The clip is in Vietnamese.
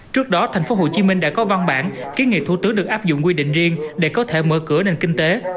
trước đó tp hcm đã có văn bản kiến nghị thủ tướng được áp dụng quy định riêng để có thể mở cửa nền kinh tế